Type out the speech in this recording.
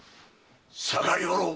下がりおろう。